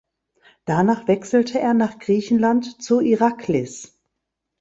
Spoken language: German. Danach wechselte er nach Griechenland zu Iraklis.